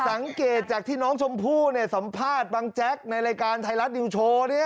สังเกตจากที่น้องชมพู่สัมภาษณ์บังแจ๊กในรายการไทยรัฐนิวโชว์เนี่ย